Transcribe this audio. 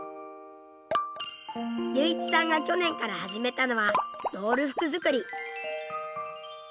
隆一さんが去年から始めたのはドール服作り。